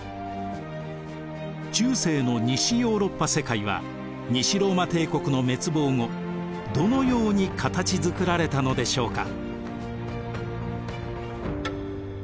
中世の西ヨーロッパ世界は西ローマ帝国の滅亡後どのように形づくられたのでしょうか。